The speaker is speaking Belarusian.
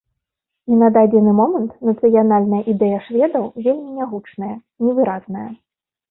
І на дадзены момант нацыянальная ідэя шведаў вельмі нягучная, невыразная.